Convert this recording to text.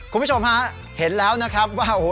คุณผู้ชมฮะเห็นแล้วนะครับว่า